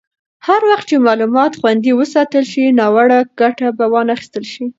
هر وخت چې معلومات خوندي وساتل شي، ناوړه ګټه به وانخیستل شي.